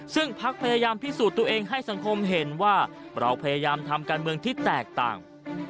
ซึ่งพักพยายามพิสูจน์ตัวเองให้สังคมเห็นว่าเราพยายามทำการเมืองที่แตกต่าง